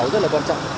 rất là quan trọng